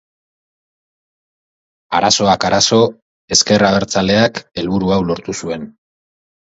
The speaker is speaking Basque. Arazoak arazo, ezker abertzaleak helburu hau lortu zuen.